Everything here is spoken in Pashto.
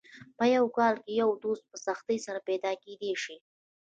په یو کال کې یو دوست په سختۍ سره پیدا کېدای شي.